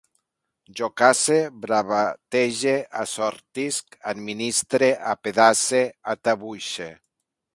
Jo cace, bravatege, assortisc, administre, apedace, atabuixe